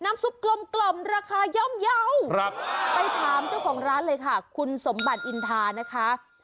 ซุปกลมราคาย่อมเยาว์ไปถามเจ้าของร้านเลยค่ะคุณสมบัติอินทานะคะ